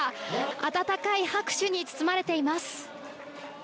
温かい拍手に包まれています。